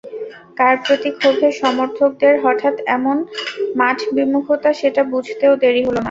কার প্রতি ক্ষোভে সমর্থকদের হঠাৎ এমন মাঠবিমুখতা সেটা বুঝতেও দেরি হলো না।